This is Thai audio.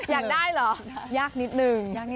อยากได้เหรอยากนิดนึง